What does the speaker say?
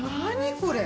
これ。